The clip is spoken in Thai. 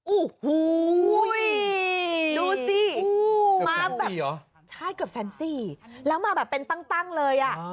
โอ้โหดูสิมาแบบใช่เกือบแสนสี่แล้วมาแบบเป็นตั้งเลยอ่ะ